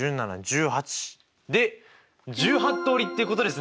で１８通りっていうことですね！